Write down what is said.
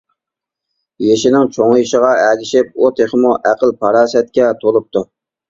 يېشىنىڭ چوڭىيىشىغا ئەگىشىپ، ئۇ تېخىمۇ ئەقىل-پاراسەتكە تولۇپتۇ.